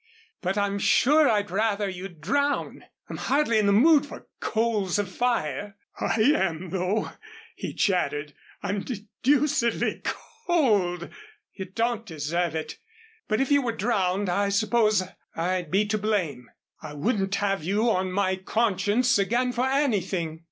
But I'm sure I'd rather you'd drown. I'm hardly in the mood for coals of fire." "I am, though," he chattered, "for I'm d deucedly c cold." "You don't deserve it. But if you were drowned I suppose I'd be to blame. I wouldn't have you on my conscience again for anything."